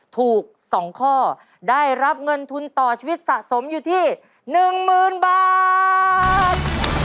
ถูก๒ข้อได้รับเงินทุนต่อชีวิตสะสมอยู่ที่๑๐๐๐บาท